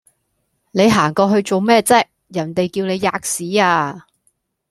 你行過去做咩啫？人地叫你喫屎呀！